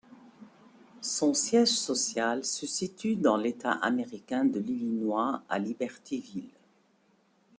Son siège social se situe dans l'État américain de l'Illinois, à Libertyville.